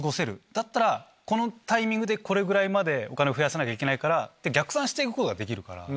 だったらこのタイミングでこれぐらい増やさなきゃいけないからって逆算していくことができるから。